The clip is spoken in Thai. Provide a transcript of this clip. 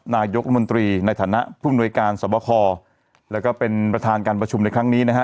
นายกรัฐมนตรีในฐานะผู้มนวยการสวบคแล้วก็เป็นประธานการประชุมในครั้งนี้นะฮะ